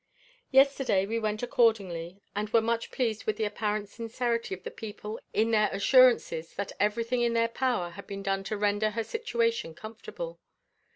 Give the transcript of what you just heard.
Yesterday we went accordingly, and were much pleased with the apparent sincerity of the people in their assurances that every thing in their power had been done to render her situation comfortable.